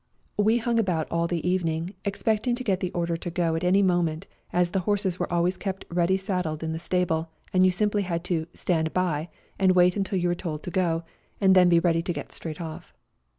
We hung about all the evening A RIDE TO KALABAC 65 expecting to get the order to go at any moment, as the horses were always kept ready saddled in the stable, and you simply had to " stand by " and wait until you were told to go, and then be ready to get straight off.